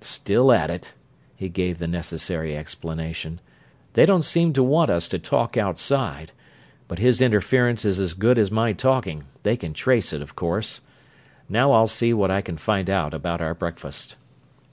"Still at it," he gave the necessary explanation. "They don't seem to want us to talk outside, but his interference is as good as my talking they can trace it, of course. Now I'll see what I can find out about our breakfast."